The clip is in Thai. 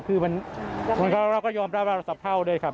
คือเราก็ยอมรับว่าเราสะเพราด้วยครับ